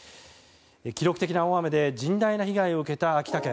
記録的な大雨で甚大な被害を受けた秋田県。